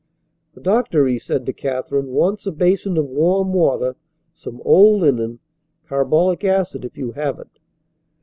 "The doctor," he said to Katherine, "wants a basin of warm water, some old linen, carbolic acid, if you have it."